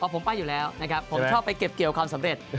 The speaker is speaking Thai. ผมไปอยู่แล้วนะครับผมชอบไปเก็บเกี่ยวความสำเร็จ